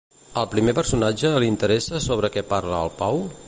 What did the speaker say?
Al primer personatge li interessa sobre què parla el Pau?